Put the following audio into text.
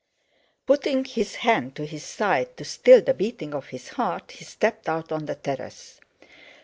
Putting his hand to his side to still the beating of his heart, he stepped out on the terrace.